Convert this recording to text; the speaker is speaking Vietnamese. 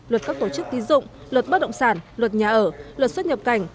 luật các tổ chức tín dụng luật bất động sản luật nhà ở luật xuất nhập cảnh